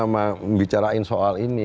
menggambarin soal ini